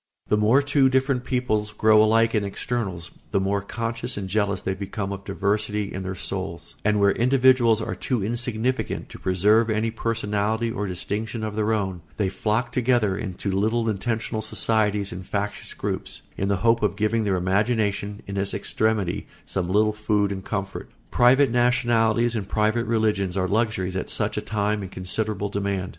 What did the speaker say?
The more two different peoples grow alike in externals the more conscious and jealous they become of diversity in their souls; and where individuals are too insignificant to preserve any personality or distinction of their own, they flock together into little intentional societies and factious groups, in the hope of giving their imagination, in its extremity, some little food and comfort. Private nationalities and private religions are luxuries at such a time in considerable demand.